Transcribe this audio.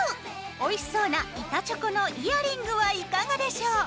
おいしそうな板チョコのイヤリングはいかがでしょう？